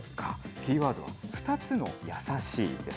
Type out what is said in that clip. キーワードは２つのやさしいです。